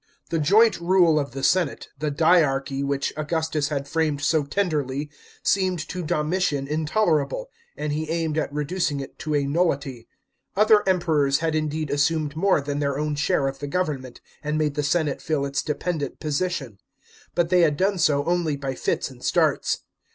The joint rule of the senate, the "dyarchy" which Augustus had framed so tenderly, seemed to Domitian intolerable, and he aimed at reducing it to a nullity. Other Emperors had indeed assumed more than their own share of the government, and made the senate feel its dependent ] osition ; but they had done so only by fits and starts.